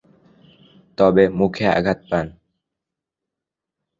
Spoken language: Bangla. তবে, মুখে আঘাত পান।